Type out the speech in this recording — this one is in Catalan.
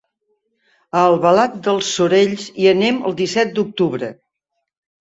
A Albalat dels Sorells hi anem el disset d'octubre.